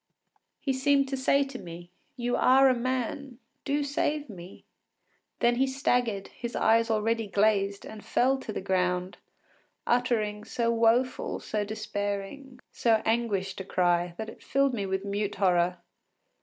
He seemed to say to me, “You are a man; do save me.” Then he staggered, his eyes already glazed, and fell to the ground, uttering so woeful, so despairing, so anguished a cry that it filled me with mute horror.